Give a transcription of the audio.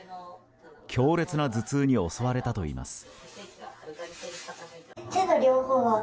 強烈な頭痛に襲われたといいます。